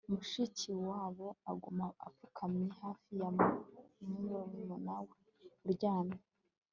mushikiwabo aguma apfukamye hafi ya murumuna we uryamye